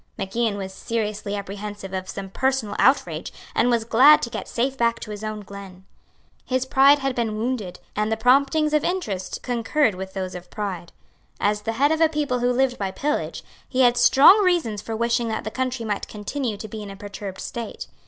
Mac Ian was seriously apprehensive of some personal outrage, and was glad to get safe back to his own glen. His pride had been wounded; and the promptings of interest concurred with those of pride. As the head of a people who lived by pillage, he had strong reasons for wishing that the country might continue to be in a perturbed state.